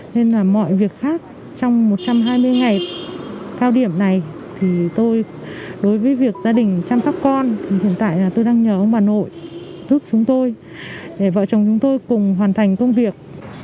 nên là mọi việc khác trong một trăm hai mươi ngày cao điểm này thì tôi đối với việc gia đình chăm sóc con hiện tại là tôi đang nhờ ông bà nội giúp chúng tôi để vợ chồng chúng tôi cùng hoàn thành công việc